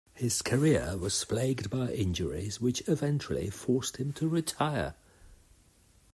His career was plagued by injuries which eventually forced him to retire.